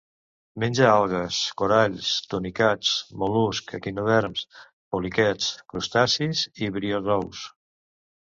Menja algues, coralls, tunicats, mol·luscs, equinoderms, poliquets, crustacis i briozous.